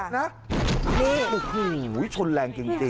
ไนะจนแรงเกร็งจริง